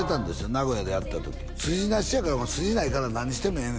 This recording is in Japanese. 名古屋でやった時「スジナシ」やから筋ないから何してもええね